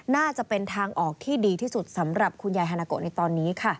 น่าจะเป็นทางออกที่ดีที่สุดสำหรับคุณยายฮานาโกะในตอนนี้ค่ะ